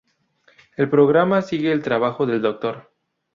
El programa siguió el trabajo del Dr.